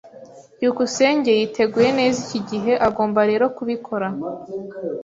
byukusenge yiteguye neza iki gihe, agomba rero kubikora.